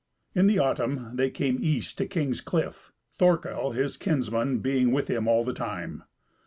In the autumn they came east to King's Cliff, Thorkel, his kinsman, being with him all the time.